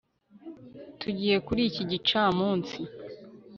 Tugiye kuri iki gicamunsi